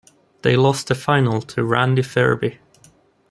They lost the final to Randy Ferbey.